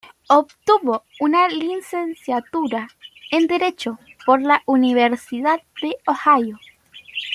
Obtuvo una licenciatura en Derecho por la Universidad de Ohio.